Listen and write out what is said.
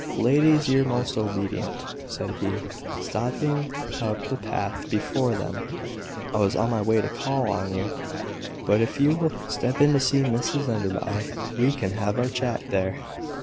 "Ladies, your most obedient!" said he, stopping up the path before them. "I was on my way to call on you; but if you will step in to see Mrs Enderby, we can have our chat there."